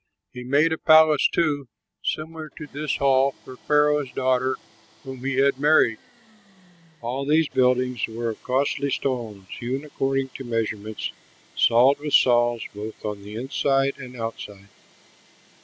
He made a palace, too, similar to this hall, for Pharaoh's daughter whom he had married. All these buildings were of costly stones, hewn according to measurements, sawed with saws, both on the inside and outside.